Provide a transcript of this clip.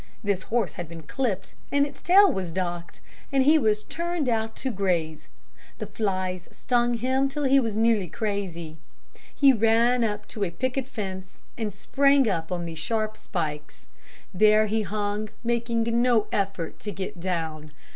This horse had been clipped, and his tail was docked, and he was turned out to graze. The flies stung him till he was nearly crazy. He ran up to a picket fence, and sprang up on the sharp spikes. There he hung, making no effort to get down.